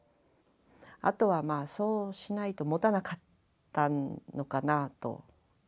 あとはまあそうしないともたなかったのかなと。